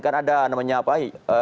karena ada namanya apa